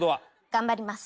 頑張ります。